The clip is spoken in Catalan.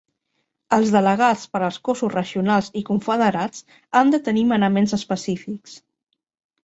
Els delegats per als cossos regionals i confederats han de tenir manaments específics.